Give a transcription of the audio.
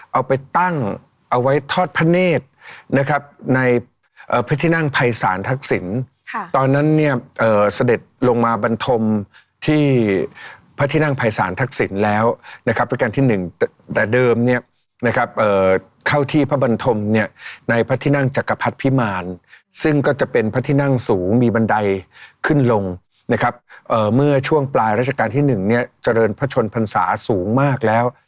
เอาไปตั้งเอาไว้ทอดพระเนธนะครับในพระที่นั่งภัยศาลทักษิณตอนนั้นเนี่ยเสด็จลงมาบันทมที่พระที่นั่งภัยศาลทักษิณแล้วนะครับราชการที่๑แต่เดิมเนี่ยนะครับเข้าที่พระบรรทมเนี่ยในพระที่นั่งจักรพรรดิพิมารซึ่งก็จะเป็นพระที่นั่งสูงมีบันไดขึ้นลงนะครับเมื่อช่วงปลายราชการที่๑เนี่ยเจริญพระชนพรรษาสูงมากแล้ว